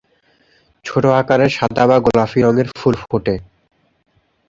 ছোট আকারের সাদা বা গোলাপি রঙের ফুল ফোটে।